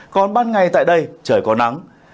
còn ban ngày tại đây trời có nắng